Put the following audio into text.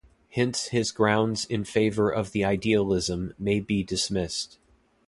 Hence his grounds in favour of the idealism may be dismissed.